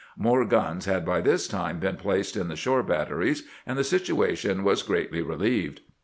More guns had by this time been placed in the shore batteries, and the situation was greatly re lieved.